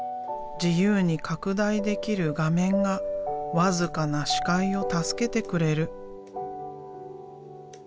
自由に拡大できる画面が僅かな視界を助けてくれる。